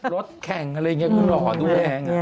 รถแข่งอะไรอย่างนี้คือรอดูแดง